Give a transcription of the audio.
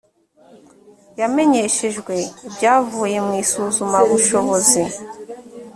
yamenyeshejwe ibyavuye mu isuzumabushobozi